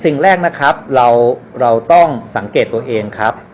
สิ่งแรกนะครับเราต้องสังเกตตัวเองครับ